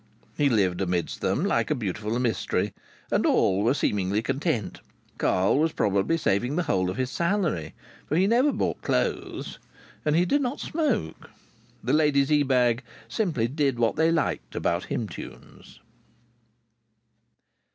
He lived amidst them like a beautiful mystery, and all were seemingly content. Carl was probably saving the whole of his salary, for he never bought clothes and he did not smoke. The ladies Ebag simply did what they liked about hymn tunes.